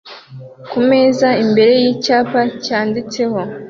kumeza imbere yicyapa cyanditseho